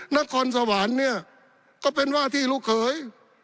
นครสวรรค์เนี่ยก็เป็นว่าที่ลูกเขย